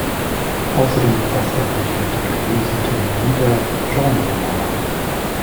Außerdem befasste er sich mit religiösen Themen und der Genremalerei.